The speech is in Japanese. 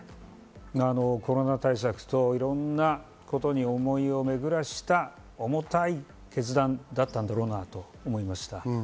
コロナ対策といろんなことに思いを巡らせた重たい決断だったんだろうなと思いました。